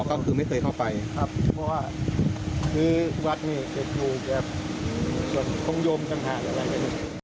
อ๋อก็คือไม่เคยเข้าไปครับเพราะว่าคือวัดนี้ก็คือแบบส่วนทงโยมกันแหละ